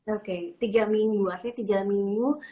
oke tiga minggu